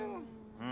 うん。